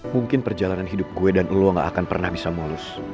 mungkin perjalanan hidup gue dan luang gak akan pernah bisa mulus